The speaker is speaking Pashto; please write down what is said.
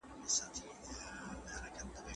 د هیواد شته منابع د خلګو په ګټه مصرفیږي.